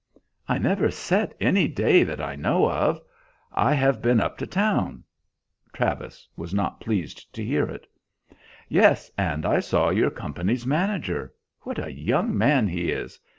"I never set any day that I know of. I have been up to town." Travis was not pleased to hear it. "Yes; and I saw your company's manager. What a young man he is!